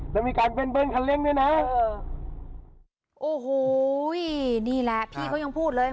แล้วมีการเบิ้เบิ้ลคันเร่งด้วยนะเออโอ้โหนี่แหละพี่เขายังพูดเลย